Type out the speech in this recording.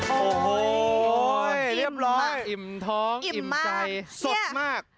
โอ้โหเรียบร้อยอิ่มท้องอิ่มใจสดมาก